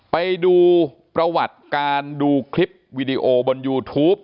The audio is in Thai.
ไปดูประวัติการดูคลิปวีดีโอบนยูทูป